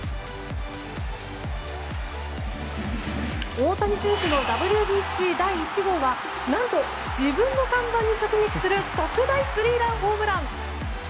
大谷選手のＷＢＣ第１号は何と自分の看板に直撃する特大スリーランホームラン。